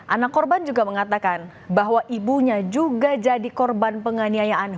anak korban juga mengatakan bahwa ibunya juga jadi korban penganiayaan